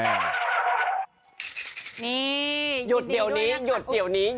นี่ยุดเดี๋ยวนี้